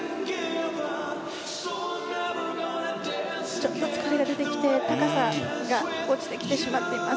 ちょっと疲れが出てきて、高さが落ちてきてしまっています。